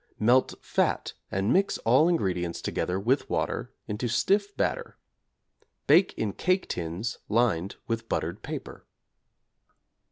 Melt fat and mix all ingredients together with water into stiff batter; bake in cake tins lined with buttered paper.